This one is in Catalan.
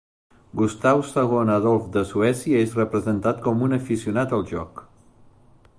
Gustau II Adolf de Suècia és representat com un aficionat al joc.